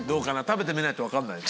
食べてみないと分かんない。